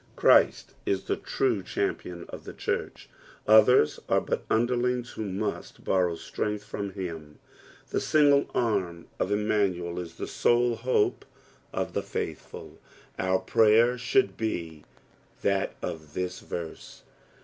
Christ is the true champion of the church, others are but underlings who must borrow strength from him ; the single arm of Immanuel is the sole hope of the faithful. Our prayer should be that of this verse.